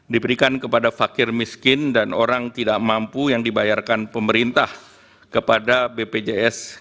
diberikan kepada fakir miskin dan orang tidak mampu yang dibayarkan pemerintah kepada bpjs